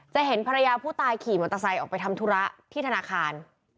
เห็นภรรยาผู้ตายขี่มอเตอร์ไซค์ออกไปทำธุระที่ธนาคาร